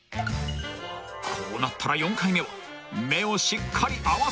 ［こうなったら４回目は目をしっかり合わせてもらおう］